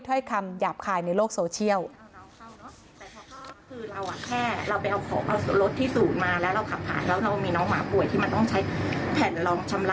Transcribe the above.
ถ้อยคำหยาบคายในโลกโซเชียล